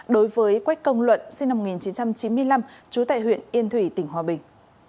đối với quách công luận sinh năm một nghìn chín trăm chín mươi năm trú tại huyện yên thủy tỉnh hòa bình